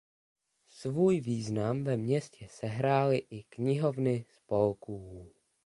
Svůj význam ve městě sehrály i knihovny spolků.